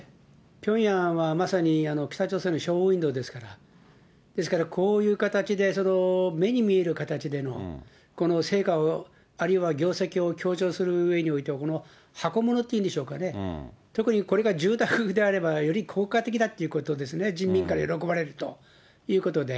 ピョンヤンはまさに北朝鮮のショーウインドーですから、ですから、こういう形で、目に見える形でのこの成果を、あるいは業績を強調するうえにおいては、この箱物って言うんでしょうかね、特にこれが住宅であれば、より効果的だということですね、人民から喜ばれるということで。